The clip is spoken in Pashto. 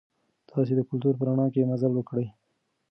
تاسي د کلتور په رڼا کې مزل وکړئ.